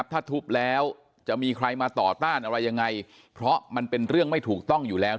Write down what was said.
ถ้าทุบแล้วจะมีใครมาต่อต้านอะไรยังไงเพราะมันเป็นเรื่องไม่ถูกต้องอยู่แล้ว